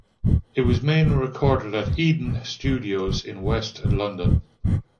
It was mainly recorded at Eden Studios in West London.